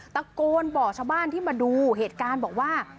ตะโกนบอกชาวบ้านที่มาดูเหตุการณ์บอกว่า